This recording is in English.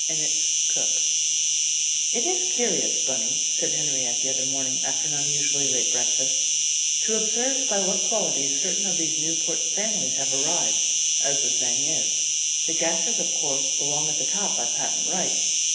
INNITT'S COOK "It is curious, Bunny," said Henriette the other morning after an unusually late breakfast, "to observe by what qualities certain of these Newport families have arrived, as the saying is. The Gasters of course belong at the top by patent right.